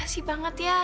makasih banget ya